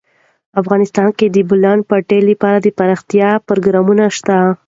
افغانستان کې د د بولان پټي لپاره دپرمختیا پروګرامونه شته.